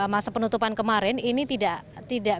masa penutupan kemarin ini tidak